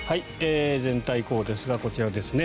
全体、こうですがこちらですね。